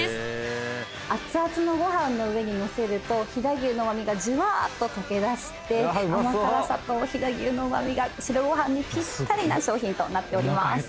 あつあつのご飯の上に載せると飛騨牛のうま味がじゅわーっと溶けだして甘辛さと飛騨牛のうま味が白ご飯にぴったりな商品となっております。